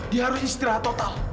dia harus istirahat total